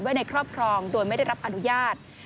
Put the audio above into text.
ในครอบครองโดยไม่ได้รับอนุญาต